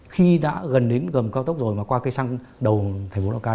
khi đã gần đến gầm cao tốc rồi mà qua cây xăng đầu thành phố lào cai